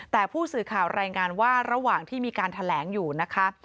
แต่ผู้สื่อข่าวรายงานว่าระหว่างที่มีการแถลงอยู่นะคะ